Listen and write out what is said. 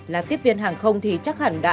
là tiếp viên hàng không thì chắc hẳn đã